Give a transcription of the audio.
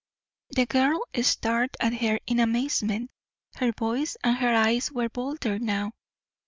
The girl stared at her in amazement. Her voice and her eyes were bolder now.